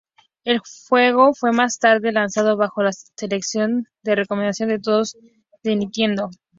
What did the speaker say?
El juego fue más tarde lanzado bajo la"Selección de recomendación de todos" de Nintendo.